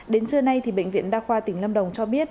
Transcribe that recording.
đến trưa nay bệnh viện đa khoa tỉnh lâm đồng cho biết